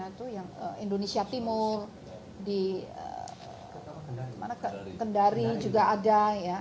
ada di padang ada di indonesia timur di kendari juga ada